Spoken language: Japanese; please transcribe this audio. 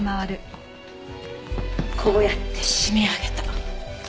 こうやって絞め上げた。